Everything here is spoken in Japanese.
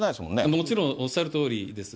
もちろん、おっしゃるとおりです。